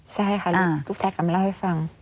ใช่ค่ะลูกชายกลับมาเล่าให้ฟัง